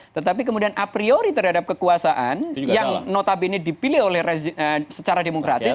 tetapi kemudian a priori terhadap kekuasaan yang notabene dipilih secara demokratis